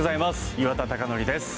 岩田剛典です。